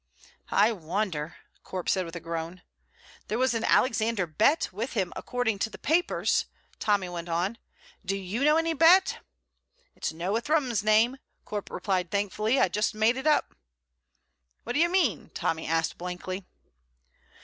"I wonder!" Corp said with a groan. "There was an Alexander Bett with him, according to the papers," Tommy went on. "Do you know any Bett?" "It's no a Thrums name," Corp replied thankfully. "I just made it up." "What do you mean?" Tommy asked blankly.